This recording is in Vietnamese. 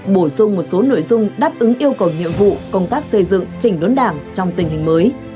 bổ sung một số nội dung đáp ứng yêu cầu nhiệm vụ công tác xây dựng chỉnh đốn đảng trong tình hình mới